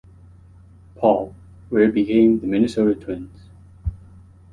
Paul, where it became the Minnesota Twins.